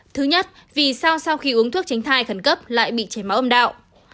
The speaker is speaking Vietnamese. thứ nhất vì sao sau khi uống thuốc tránh thai khẩn cấp lại bị chảy máu âm đạo